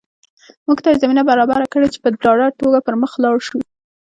موږ ته یې زمینه برابره کړې چې په ډاډه توګه پر مخ لاړ شو